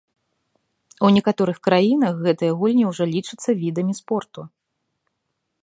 У некаторых краінах гэтыя гульні ўжо лічацца відамі спорту.